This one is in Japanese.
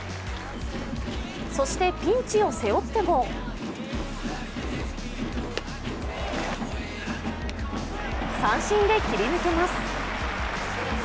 そしてピンチを背負っても三振で切り抜けます。